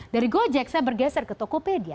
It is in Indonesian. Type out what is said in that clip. dari gojek saya bergeser ke tokopedia